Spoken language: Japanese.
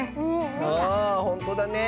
ああほんとだね。